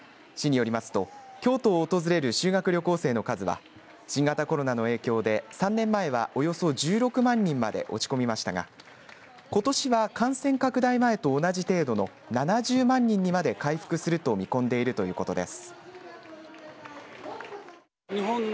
市によりますと京都を訪れる修学旅行生の数は新型コロナの影響で３年前はおよそ１６万人まで落ち込みましたがことしは感染拡大前と同じ程度の７０万人にまで回復すると見込んでいるということです。